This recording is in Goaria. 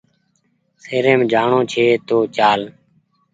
شهريم جاڻو ڇي تو چال